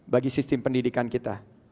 bagi sistem pendidikan kita